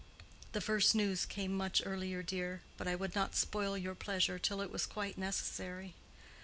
"The first news came much earlier, dear. But I would not spoil your pleasure till it was quite necessary."